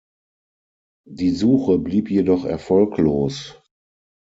Die Suche blieb jedoch erfolglos.